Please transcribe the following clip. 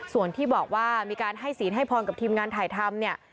ส่วนที่บอกว่ามีการให้ศีลให้พรกับทีมงานถ่ายทำเนี่ย